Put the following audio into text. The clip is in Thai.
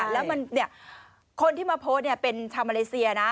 แล้วคนที่มาโพสต์เป็นชาวมาเลเซียนะ